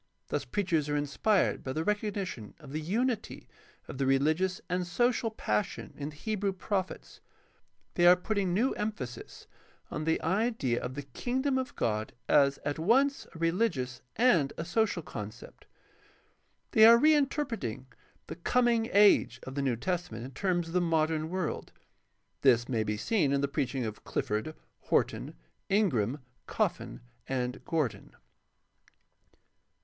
Thus preachers are inspired by the recognition of the unity of the religious and social passion in the Hebrew prophets. They are putting new emphasis on the idea of the Kingdom of God as at once a religious and a social concept. They are reinterpreting "the Coming Age" of the New Testament in terms of the modern world. This may be seen in the preach ing of Clifford, Horton, Ingram, Coffin, and Gordon.